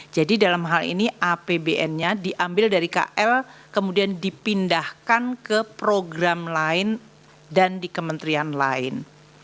jadi dalam hal ini apbn nya diambil dari kl kemudian dipindahkan ke program lain dan di kementerian lain